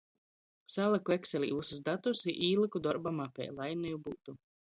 Salyku ekselī vysus datus i īlyku dorba mapē. Lai niu byutu!